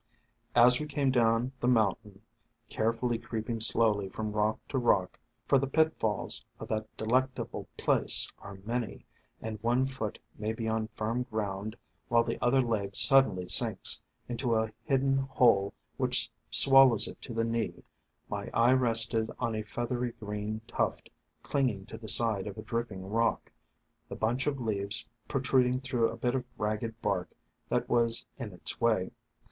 As we came down the mountain, carefully creeping slowly from rock to rock — for the pit falls of that delectable place are many, and one foot may be on firm ground, while the other leg suddenly sinks into a hidden hole which swallows it to the knee — my eye rested on a feathery green tuft clinging to the side of a dripping rock, the bunch of leaves protruding through a bit of ragged bark that was in its way.